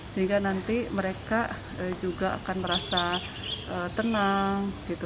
sehingga nanti mereka juga akan merasa tenang